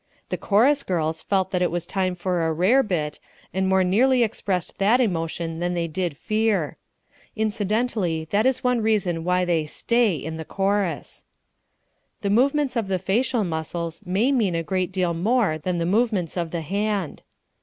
The chorus girls felt that it was time for a rarebit, and more nearly expressed that emotion than they did fear. Incidentally, that is one reason why they stay in the chorus. The movements of the facial muscles may mean a great deal more than the movements of the hand.